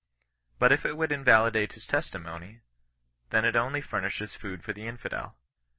But if it would invalidate his testimony, then it only furnishes food for the infidel.